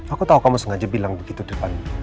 aku tau kamu sengaja bilang begitu di depan aku